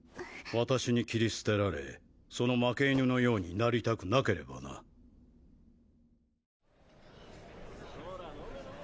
私に切りその負け犬のようになりたくなければなほら飲め飲め。